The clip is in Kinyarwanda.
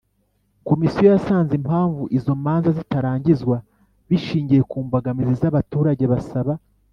Komisiyo yasanze impamvu izo manza zitarangizwa bishingiye ku mbogamizi z abaturage basaba